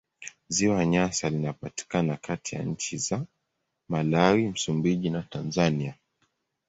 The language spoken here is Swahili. Ziwa Nyasa linapatikana kati ya nchi za Malawi, Msumbiji na Tanzania.